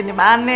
dani yang benmer